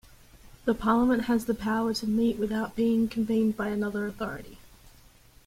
The Parliament has the power to meet without being convened by another authority.